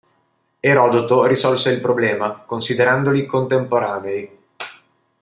Erodoto risolse il problema considerandoli contemporanei.